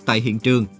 tại hiện trường